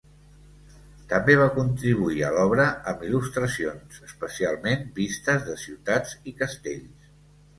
També va contribuir a l'obra amb il·lustracions, especialment vistes de ciutats i castells.